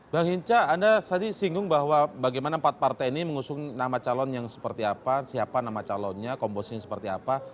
bang hinca anda tadi singgung bahwa bagaimana empat partai ini mengusung nama calon yang seperti apa siapa nama calonnya komposisinya seperti apa